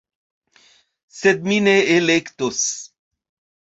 Sed mi ne elektos